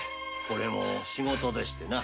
これも仕事でしてな。